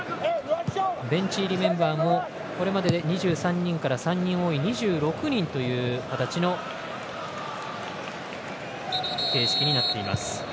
ベンチ入りメンバーもこれまでの２３人から３人多い２６人という形の形式になっています。